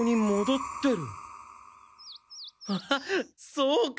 そうか。